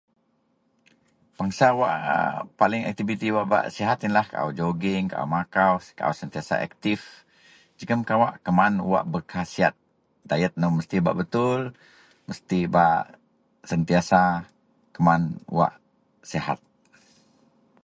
Bangsa wak aa paling aktiviti wak bak sihat yenlah kaau jogging, kaau makau kaau sentiyasa aktip, jegum kawak keman wak berkasiyat, diet nau mesti betul, mesti bak setiyasa keman wak sihat.